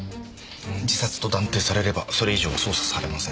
自殺と断定されればそれ以上捜査されません。